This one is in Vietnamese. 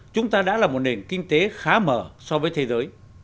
chúng ta đã là một nền kinh tế khá mở so với thế giới